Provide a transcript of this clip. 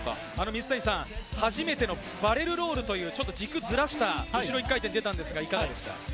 水谷さん、初めてのバレルロールという軸をずらした後ろ１回転がでたんですが、いかがでしたか？